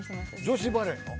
女子バレーの？